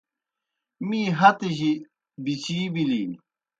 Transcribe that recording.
می ہتِجیْ بِچِی/بِچِیں بِلِن۔